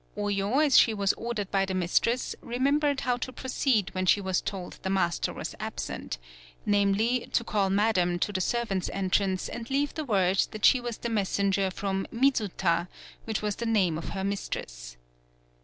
Oyo, as she was ordered by the mis tress, remembered how to proceed when 99 PAULOWNIA she was told the master was absent, namely, to call madam to the servants' entrance and leave the word that she was the messenger from Mizuta, which was the name of her mistress.